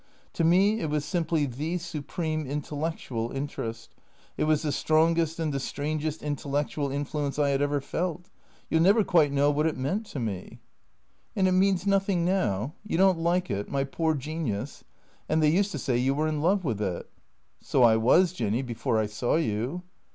"To me it was simply the supreme intellectual interest. It was the strongest and the strangest intellectual influence I had ever felt. You '11 never quite know what it meant to me." "And it means nothing now — you don't like it — my poor genius? And they used to say you were in love with it." " So I was, Jinny, before I saw you."